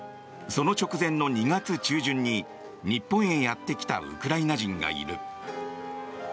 その直前の２月中旬に日本へやってきたウクライナ人がいる。